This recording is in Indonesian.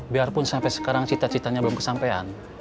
biarpun sampai sekarang cita citanya belum kesampean